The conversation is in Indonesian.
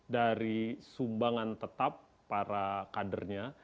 dari sumbangan tetap para kadernya